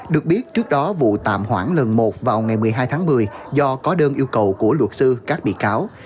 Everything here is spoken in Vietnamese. được biết trước đó vụ tạm hoãn lần một vào ngày một mươi hai tháng một mươi do có đơn yêu cầu của luật sư các bị cáo